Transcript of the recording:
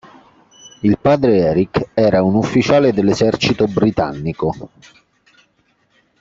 Il padre Eric era un ufficiale dell'esercito britannico.